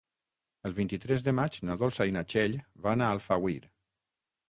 El vint-i-tres de maig na Dolça i na Txell van a Alfauir.